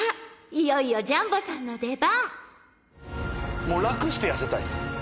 いよいよジャンボさんの出番］